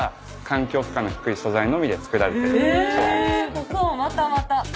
ここもまたまた。